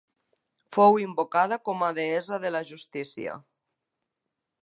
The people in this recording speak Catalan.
Fou invocada com a deessa de la justícia.